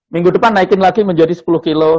minggu depan naikin lagi menjadi sepuluh kilo